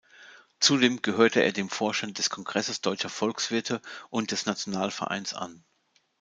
Zudem gehörte er dem Vorstand des Kongresses deutscher Volkswirte und des Nationalvereins an.